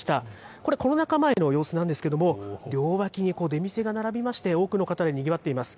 これ、コロナ禍前の様子なんですけれども、両脇に出店が並びまして、多くの方でにぎわっています。